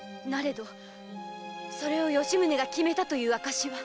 どそれを吉宗が決めたという証は。